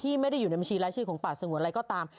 ไม่ได้อยู่ในบัญชีรายชื่อของป่าสงวนอะไรก็ตาม